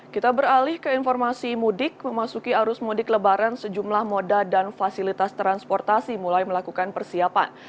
kita beralih ke informasi mudik memasuki arus mudik lebaran sejumlah moda dan fasilitas transportasi mulai melakukan persiapan